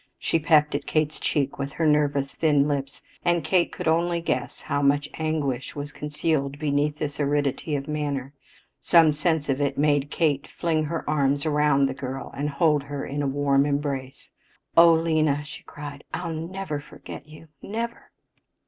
She pecked at Kate's cheek with her nervous, thin lips, and Kate could only guess how much anguish was concealed beneath this aridity of manner. Some sense of it made Kate fling her arms about the girl and hold her in a warm embrace. "Oh, Lena," she cried, "I'll never forget you never!"